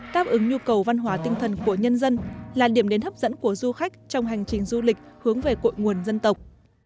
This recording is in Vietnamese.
táp ứng nhu cầu văn hóa tinh thần của nhân dân là điểm đến hấp dẫn của du khách trong hành trình du lịch hướng về cội nguồn dân tộc